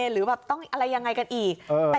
หรืออะไรยังไงกันอีก